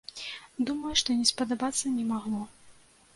Думаю, што не спадабацца не магло.